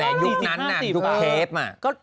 อ๋อแม่งยุคนั้นน่ะยุคเทปมา